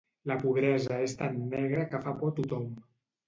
La pobresa és tan negra que fa por a tothom.